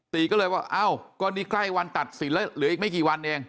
ตีก็เลยว่าเอ้าก็นี่ใกล้วันตัดสินแล้วเหลืออีกไม่กี่วันเอง